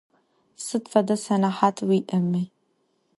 Sıd fede senehat vui'emi.